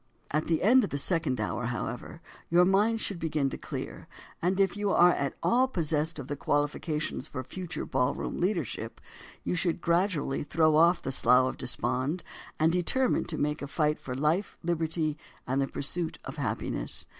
At the end of the second hour, however, your mind should begin to clear, and if you are at all possessed of the qualifications for future ballroom leadership, you should gradually throw off the slough of despond and determine to make a fight for life, liberty and the pursuit of happiness.